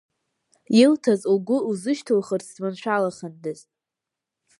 Илҭаз лгәы лзышьҭылхырц, дманшәалахандаз!